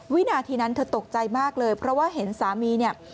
วินาทีนั้นเธอตกใจมากเลยเพราะว่าเห็นสามีเนี่ย